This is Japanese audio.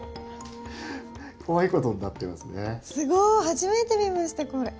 初めて見ましたこれ。